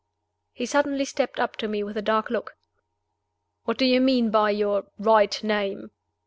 He suddenly stepped up to me with a dark look. "What do you mean by your 'right name?